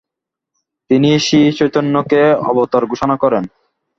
তিনি শ্রীচৈতন্যকে অবতার ঘোষণা করেন।